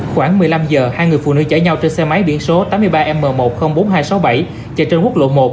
khoảng một mươi năm h hai người phụ nữ chạy nhau trên xe máy biển số tám mươi ba m một trăm linh bốn nghìn hai trăm sáu mươi bảy chạy trên quốc lộ một